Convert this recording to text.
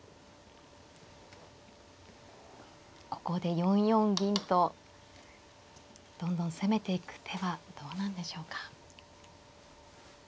ここで４四銀とどんどん攻めていく手はどうなんでしょうか。